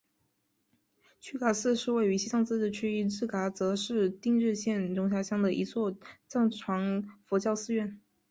曲嘎寺是位于西藏自治区日喀则市定日县绒辖乡的一座藏传佛教寺院。